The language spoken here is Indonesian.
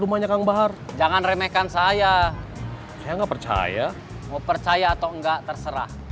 rumahnya kang bahar jangan remehkan saya saya nggak percaya mau percaya atau enggak terserah